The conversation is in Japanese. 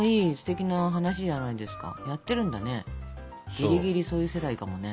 ギリギリそういう世代かもね。